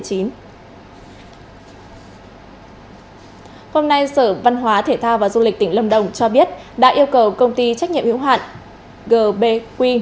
hôm nay sở văn hóa thể thao và du lịch tỉnh lâm đồng cho biết đã yêu cầu công ty trách nhiệm hiếu hạn gbq